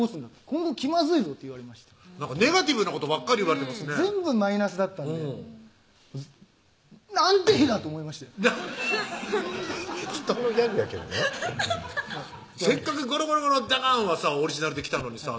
「今後気まずいぞ」って言われましたネガティブなことばっかり言われてますね全部マイナスだったんで「なんて日だ！」と思いましてハッ人のギャグやけどなせっかく「ゴロゴロドカーン‼」はオリジナルで来たのにさ